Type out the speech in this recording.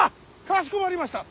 かしこまりました。